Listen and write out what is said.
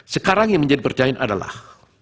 sekarang yang menjadi percaya adalah